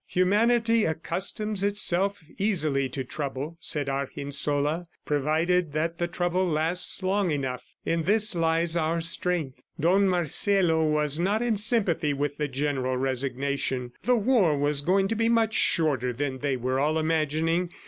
"Humanity accustoms itself easily to trouble," said Argensola, "provided that the trouble lasts long enough. ... In this lies our strength." Don Marcelo was not in sympathy with the general resignation. The war was going to be much shorter than they were all imagining.